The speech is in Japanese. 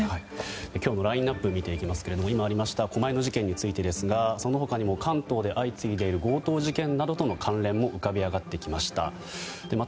今日のラインアップ見ていきますが今ありました狛江の事件についてですがそのほかにも関東で相次いでいる強盗事件との関連も浮かび上がってきました。